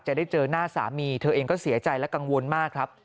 จะได้เจอหน้าสามีเธอเองก็เสียใจและกังวลมากครับ